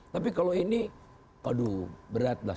tapi kalau ini waduh berat lah